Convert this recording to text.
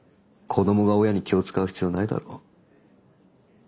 子どもが親に気を遣う必要ないだろ。